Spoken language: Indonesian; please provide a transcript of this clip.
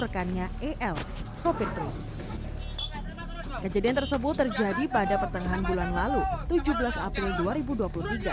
rekannya el sopir truk kejadian tersebut terjadi pada pertengahan bulan lalu tujuh belas april